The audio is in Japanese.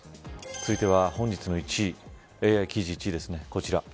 続いては本日のＡＩ記事、１位ですね。